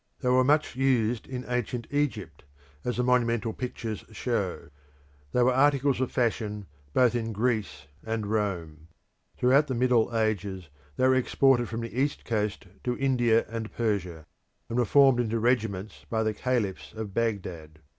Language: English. They were much used in ancient Egypt, as the monumental pictures show: they were articles of fashion both in Greece and Rome. Throughout the Middle Ages they were exported from the east coast to India and Persia, and were formed into regiments by the Caliphs of Baghdad.